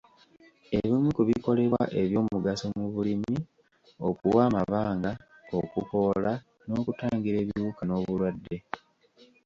Ebimu ku bikolebwa eby'omugaso mu bulimi okuwa amabanga, okukoola, n'okutangira ebiwuka n'obulwadde.